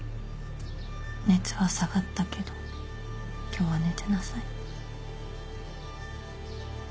熱は下がったけど今日は寝てなさい。